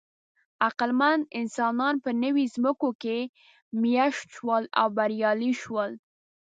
عقلمن انسانان په نوې ځمکو کې مېشت شول او بریالي شول.